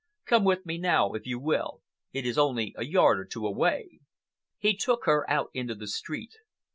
Come with me now, if you will. It is only a yard or two away." He took her out into the street.